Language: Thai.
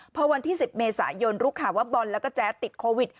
พอวันที่๑๐เมษายนรู้ข่าวว่าบอลแล้วก็แจ๊ดติดโควิด